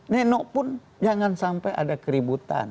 nenok pun jangan sampai ada keributan